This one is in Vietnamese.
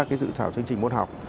cái dự thảo chương trình môn học